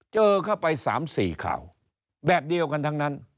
เจอเข้าไป๓๔ข่าวแบบเดียวกันทั้งนั้น